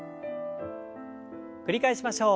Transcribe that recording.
繰り返しましょう。